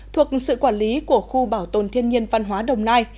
thuộc sự quản lý của khu bảo tồn thiên nhiên văn hóa đồng nai